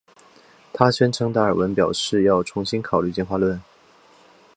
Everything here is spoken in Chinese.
她宣称达尔文表示要重新考虑进化论。